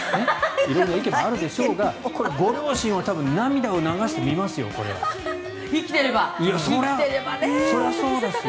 色んな意見もあるでしょうがこれは多分ご両親は涙を流して見ていると思いますよ。